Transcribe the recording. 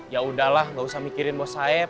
yaudah lah gak usah mikirin bos saya